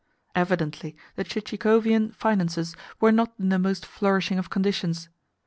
Evidently the Chichikovian finances were not in the most flourishing of conditions.